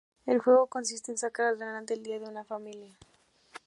El juego consiste en sacar adelante el día a día de una familia.